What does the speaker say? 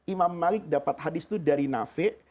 imam malik dapat hadis itu dari nafi